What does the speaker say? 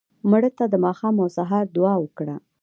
مړه ته د ماښام او سهار دعا وکړه